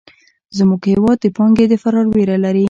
زموږ هېواد د پانګې د فرار وېره لري.